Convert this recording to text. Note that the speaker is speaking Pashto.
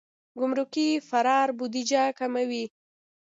ګمرکي فرار بودیجه کموي.